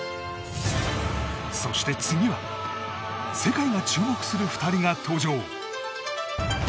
そして次は世界が注目する２人が登場。